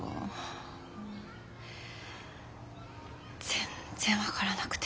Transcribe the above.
全然分からなくて。